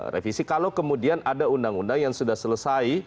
revisi kalau kemudian ada undang undang yang sudah selesai